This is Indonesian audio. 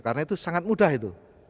karena itu sangat mudah itu